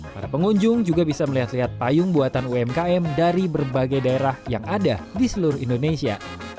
para pengunjung juga bisa melihat lihat payung buatan umkm dari berbagai daerah yang ada di seluruh indonesia